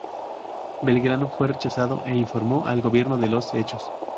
Belgrano fue rechazado, e informó al gobierno de los hechos.